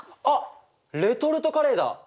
あっレトルトカレーだ！